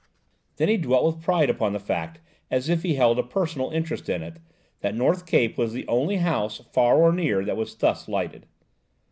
Then he dwelt with pride upon the fact, as if he held a personal interest in it, that North Cape was the only house, far or near, that was thus lighted.